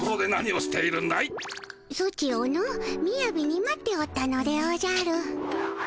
ソチをのみやびに待っておったのでおじゃる。